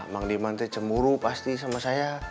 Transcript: mang diman tuh cemburu pasti sama saya